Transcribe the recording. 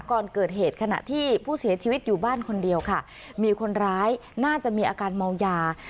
ก่อนเกิดเหตุขณะที่ผู้เสียชีวิตอยู่บ้านคนเดียวค่ะมีคนร้ายน่าจะมีอาการเมายา